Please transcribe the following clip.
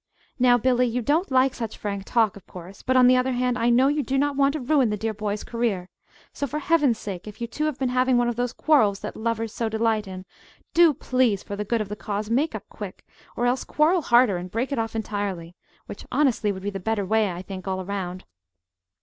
"Now, Billy, you don't like such frank talk, of course; but, on the other hand, I know you do not want to ruin the dear boy's career. So, for heaven's sake, if you two have been having one of those quarrels that lovers so delight in do, please, for the good of the cause, make up quick, or else quarrel harder and break it off entirely which, honestly, would be the better way, I think, all around.